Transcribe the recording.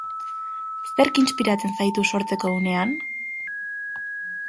Zerk inspiratzen zaitu, sortzeko unean?